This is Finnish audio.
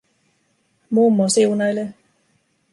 Mummo siunailee.